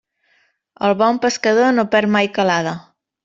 El bon pescador no perd mai calada.